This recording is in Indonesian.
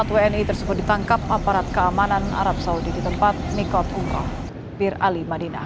empat wni tersebut ditangkap aparat keamanan arab saudi di tempat mikot umroh bir ali madinah